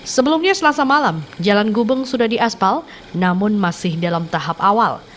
sebelumnya selasa malam jalan gubeng sudah diaspal namun masih dalam tahap awal